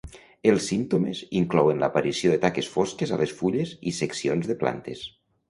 Els símptomes inclouen l'aparició de taques fosques a les fulles i seccions de plantes.